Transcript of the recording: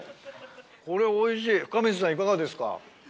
これおいしい深水さんいかがですか？